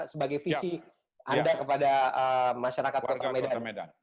sebagai visi anda kepada masyarakat kota medan